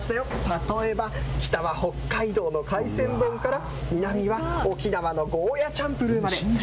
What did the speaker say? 例えば、北は北海道の海鮮丼から南は沖縄のゴーヤチャンプルまで。